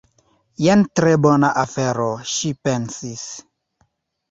"Jen tre bona afero," ŝi pensis.